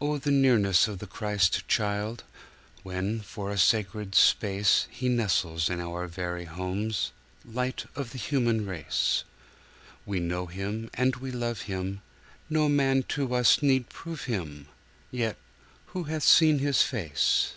Oh, the nearness of the Christ Child, When, for a sacred space, He nestles in our very homes— Light of the human race! We know him and we love him, No man to us need prove him— Yet who hath seen his face?